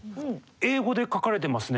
英語で書かれてますね。